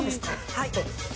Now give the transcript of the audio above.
はい。